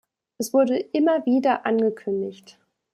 Es wurde immer wieder angekündigt.